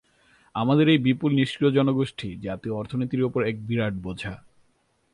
আমাদের এই বিপুল নিষ্ক্রিয় জনগোষ্ঠী জাতীয় অর্থনীতির ওপর এক বিরাট বোঝা।